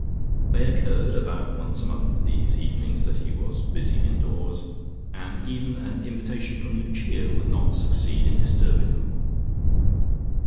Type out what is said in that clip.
They occurred about once a month (these evenings that he was "busy indoors") and even an invitation from Lucia would not succeed in disturbing them.